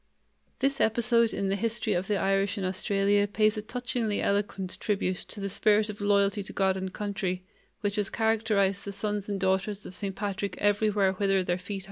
This episode in the history of the Irish in Australia pays a touchingly eloquent tribute to the spirit of loyalty to God and country which has characterized the sons and daughters of St. Patrick everywhere whither their feet have strayed.